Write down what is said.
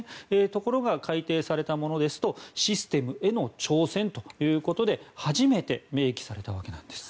ところが改定されたものですとシステムへの挑戦ということで初めて明記された訳なんです。